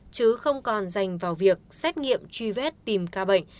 chứ không còn dành vào việc xét nghiệm truy vết tìm ca bệnh